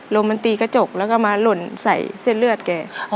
ลมมันตีกระจกแล้วก็มาหล่นใส่เส้นเลือดแก